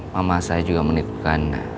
mama saya juga menipukan